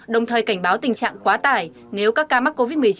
đồng thời cảnh báo tình trạng quá tải nếu các ca mắc covid một mươi chín